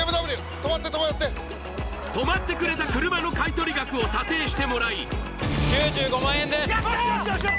止まって止まって止まってくれた車の買い取り額を査定してもらい９５万円ですやったー！